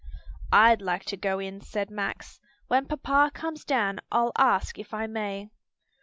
"I'd like to go in," said Max. "When papa comes down I'll ask if I may."